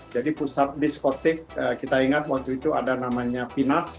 jadi pusat diskotik kita ingat waktu itu ada namanya pnats